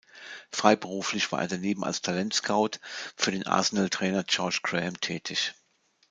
Freiberuflich war er daneben als Talentscout für den Arsenal-Trainer George Graham tätig.